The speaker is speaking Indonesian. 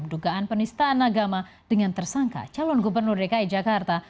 dugaan penistaan agama dengan tersangka calon gubernur dki jakarta